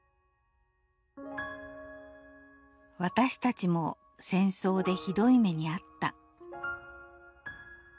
「私たちも戦争でひどいめにあった」